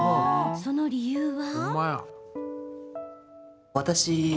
その理由は。